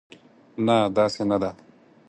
نه، داسې نه ده.